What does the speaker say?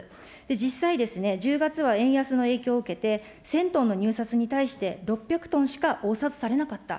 実際、１０月は円安の影響を受けて、１０００トンの入札に対して６００トンしか応札されなかった。